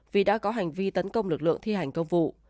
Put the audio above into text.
vì đã có hành vi tấn công lực lượng thi hành công vụ